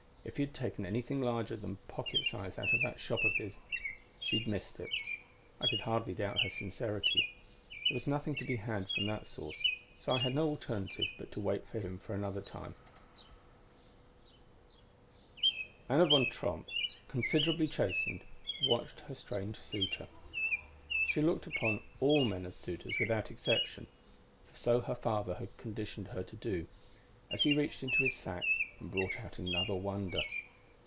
If he had taken anything larger than pocket size out of that shop of his, she had missed it. I could hardly doubt her sincerity. There was nothing to be had from that source; so I had no alternative but to wait for him another time." _Anna Van Tromp, considerably chastened, watched her strange suitor she looked upon all men as suitors, without exception; for so her father had conditioned her to do as he reached into his sack and brought out another wonder.